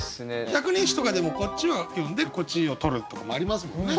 「百人一首」とかでもこっちは読んでこっちを取るとかもありますもんね。